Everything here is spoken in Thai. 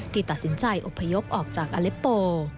ที่ตัดสินใจอบพยพออกจากอเล็ปโป